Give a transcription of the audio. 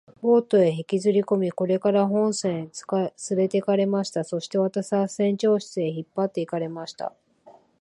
ボートへ引きずりこみ、それから本船へつれて行かれました。そして私は船長室へ引っ張って行かれました。